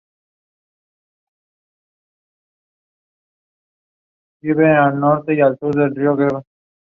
Se encuentran en África: el Camerún y Gabón.